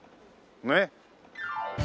ねっ。